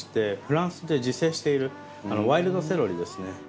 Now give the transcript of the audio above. フランスで自生しているワイルドセロリですね。